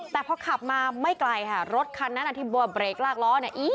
แต่พอขับมาไม่ไกลค่ะรถคันนั้นที่บัวเรกลากล้อเนี่ย